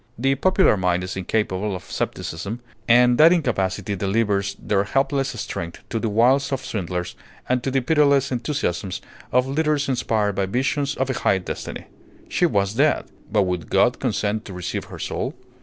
The popular mind is incapable of scepticism; and that incapacity delivers their helpless strength to the wiles of swindlers and to the pitiless enthusiasms of leaders inspired by visions of a high destiny. She was dead. But would God consent to receive her soul?